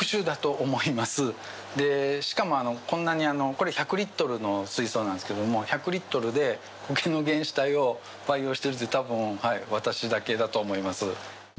これ、１００リットルの水槽なんですけど１００リットルでコケの原糸体を培養してるのって多分私だけだと思います。